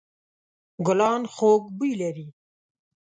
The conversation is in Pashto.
ګلان خوږ بوی لري.